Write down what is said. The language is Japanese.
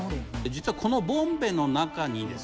実はこのボンベの中にですね